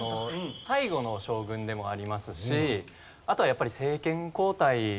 最後の将軍でもありますしあとはやっぱり政権交代ですよね。